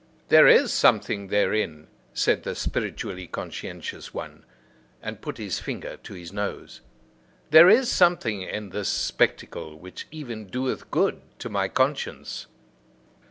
"There is something therein," said the spiritually conscientious one, and put his finger to his nose, "there is something in this spectacle which even doeth good to my conscience.